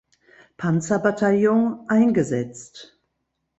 Panzerbataillon eingesetzt.